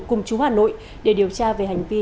cùng chú hà nội để điều tra về hành vi